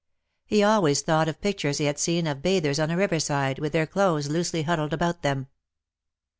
He always thought of pictures he had seen of bathers on a river side, with their clothes loosely huddled about them.